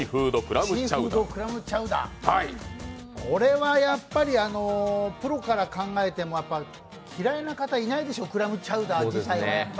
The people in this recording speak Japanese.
これはプロから考えても嫌いな方いないでしょう、クラムチャウダー自体は。